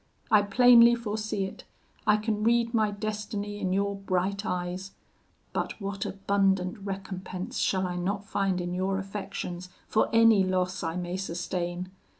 I plainly foresee it: I can read my destiny in your bright eyes; but what abundant recompense shall I not find in your affections for any loss I may sustain!